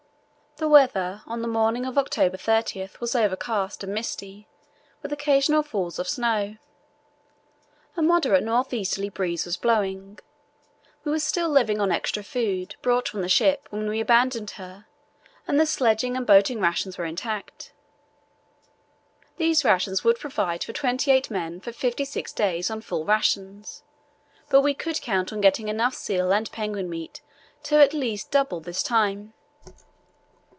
The weather on the morning of October 30 was overcast and misty, with occasional falls of snow. A moderate north easterly breeze was blowing. We were still living on extra food, brought from the ship when we abandoned her, and the sledging and boating rations were intact. These rations would provide for twenty eight men for fifty six days on full rations, but we could count on getting enough seal and penguin meat to at least double this time.